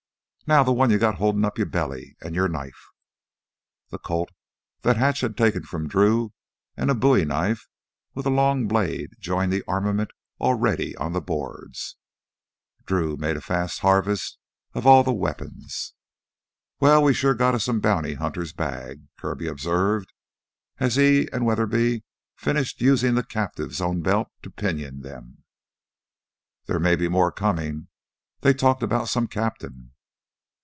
"Now th' one you got holdin' up your belly ... an' your knife!" The Colt that Hatch had taken from Drew and a bowie with a long blade joined the armament already on the boards. Drew made a fast harvest of all the weapons. "Well, we sure got us some bounty hunter's bag," Kirby observed as he and Weatherby finished using the captives' own belts to pinion them. "There may be more comin'; they talked about some captain."